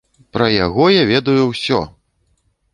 Пра яго я ведаю ўсё!